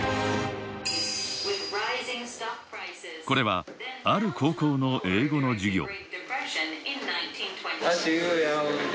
これは、ある高校の英語の授業。